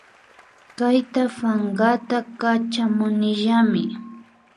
Kayta pankata Kachamunillami